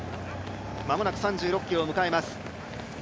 間もなく３６ｋｍを迎えます。